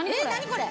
これ。